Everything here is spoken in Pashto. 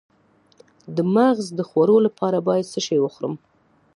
د مغز د خوړو لپاره باید څه شی وخورم؟